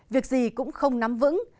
việc gì cũng không nắm vững